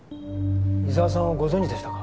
伊沢さんをご存じでしたか。